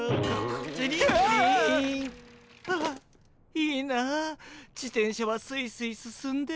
いいな自転車はスイスイ進んで。